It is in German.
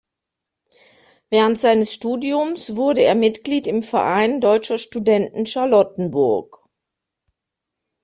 Während seines Studiums wurde er Mitglied im "Verein Deutscher Studenten Charlottenburg".